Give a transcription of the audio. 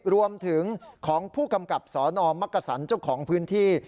รวมถึงของผู้กำกับสนมักกษันเจ้าของพื้นที่